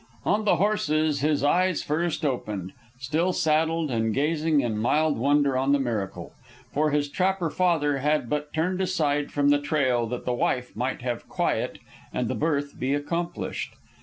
On the horses his eyes first opened, still saddled and gazing in mild wonder on the miracle; for his trapper father had but turned aside from the trail that the wife might have quiet and the birth be accomplished.